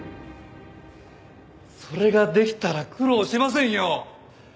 それができたら苦労しませんよ！